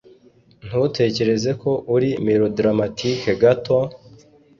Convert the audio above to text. Ntutekereza ko uri melodramatike gato?